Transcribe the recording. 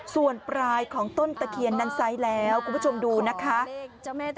ส่วนปลายของต้นตะเคียนนั้นไซส์แล้วคุณผู้ชมดูนะคะ